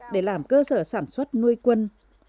để trồng mít thành rừng